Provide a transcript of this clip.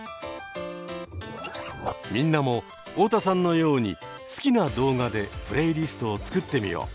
みんなも太田さんのように好きな動画でプレイリストを作ってみよう。